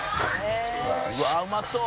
「うわっうまそう！」